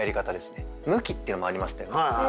向きっていうのもありましたよね。